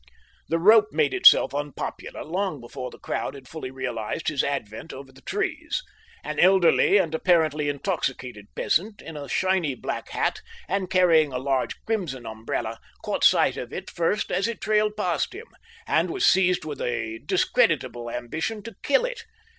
The rope made itself unpopular long before the crowd had fully realised his advent over the trees. An elderly and apparently intoxicated peasant in a shiny black hat, and carrying a large crimson umbrella, caught sight of it first as it trailed past him, and was seized with a discreditable ambition to kill it.